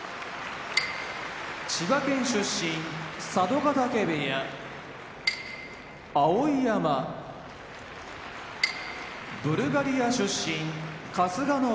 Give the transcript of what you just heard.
千葉県出身佐渡ヶ嶽部屋碧山ブルガリア出身春日野部屋